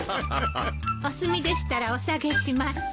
お済みでしたらお下げします。